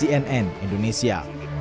tim liputan cnn indonesia